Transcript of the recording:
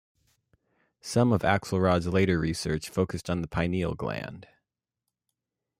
Some of Axelrod's later research focused on the pineal gland.